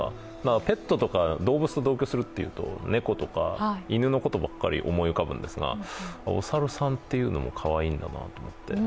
ペットとか動物と同居するというと猫とか犬のことばかり思い浮かぶんですが、お猿さんというのもかわいいんだなと思って。